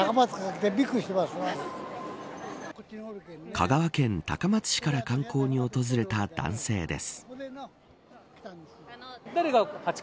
香川県高松市から観光に訪れた男性です。